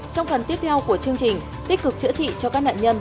trong phần tiếp theo của chương trình tích cực chữa trị cho các nạn nhân